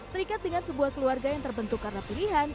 terikat dengan sebuah keluarga yang terbentuk karena pilihan